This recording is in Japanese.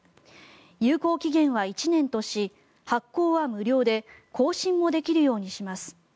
有効期限は１年とし発行は無料で更新もできるようにします。